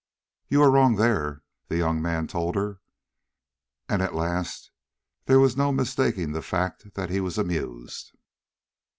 "You are wrong there," the young man told her, and at last there was no mistaking the fact that he was amused.